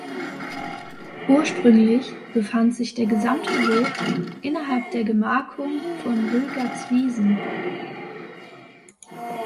Ursprünglich befand sich der gesamte Woog innerhalb der Gemarkung von Wilgartswiesen.